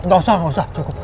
gak usah gak usah cukup